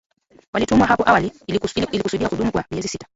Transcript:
Walitumwa hapo awali ilikusudia kudumu kwa miezi sita